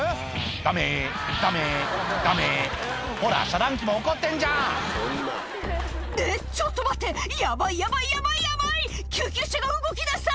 ダメダメダメほら遮断機も怒ってんじゃん「えっちょっと待ってヤバいヤバいヤバいヤバい」「救急車が動き出した！